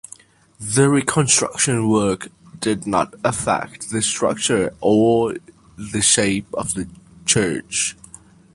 The reconstruction work did not affect the structure or the shape of the church.